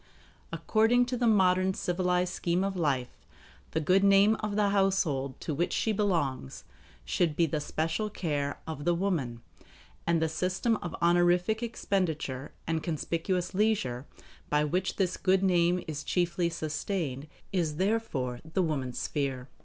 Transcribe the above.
According to the modern civilized scheme of life, the good name of the household to which she belongs should be the special care of the woman; and the system of honorific expenditure and conspicuous leisure by which this good name is chiefly sustained is therefore the woman's sphere.